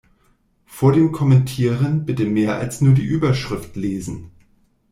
Vor dem Kommentieren bitte mehr als nur die Überschrift lesen!